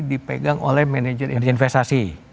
dipegang oleh manajer investasi